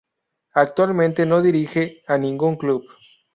Actualmente no dirige a ningún club.